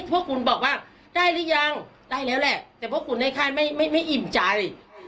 พวกคุณบอกว่าได้หรือยังได้แล้วแหละแต่พวกคุณให้ค่ายไม่อิ่มใจ